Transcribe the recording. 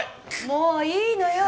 もういいのよ